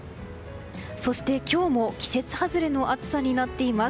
そして今日も季節外れの暑さになっています。